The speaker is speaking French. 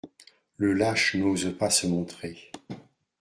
Le lâche n'ose pas se montrer.